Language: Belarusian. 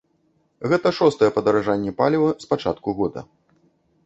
Гэта шостае падаражанне паліва з пачатку года.